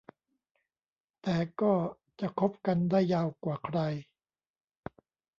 แต่ก็จะคบกันได้ยาวกว่าใคร